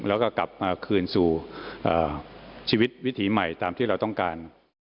แล้วก็กลับมาคืนสู่ชีวิตวิถีใหม่ตามที่เราต้องการ